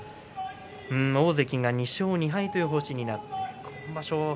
大関が２勝２敗という星になって今場所